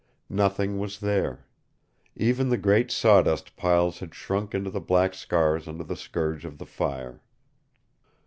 Nothing was there. Even the great sawdust piles had shrunk into black scars under the scourge of the fire.